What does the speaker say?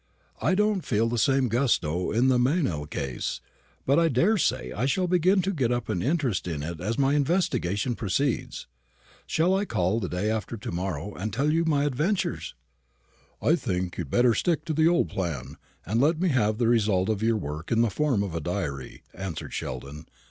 I don't feel the same gusto in the Meynell chase, but I daresay I shall begin to get up an interest in it as my investigation proceeds. Shall I call the day after to morrow and tell you my adventures?" "I think you'd better stick to the old plan, and let me have the result of your work in the form of a diary," answered Sheldon.